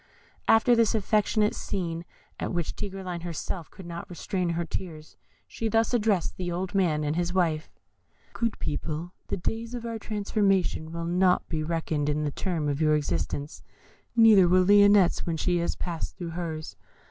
After this affecting scene, at which even Tigreline herself could not restrain her tears, she thus addressed the old man and his wife: "Good people, the days of your transformation will not be reckoned in the term of your existence, neither will Lionette's when she has passed through hers.